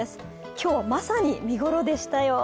今日はまさに見頃でしたよ。